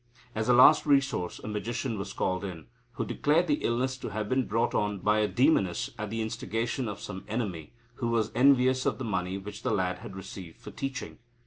As a last resource, a magician was called in, who declared the illness to have been brought on by a demoness at the instigation of some enemy, who was envious of the money which the lad had received for teaching.